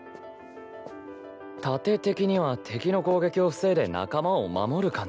盾的には敵の攻撃を防いで仲間を守る感じか。